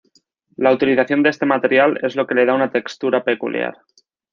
La utilización de este material es lo que le da una textura peculiar.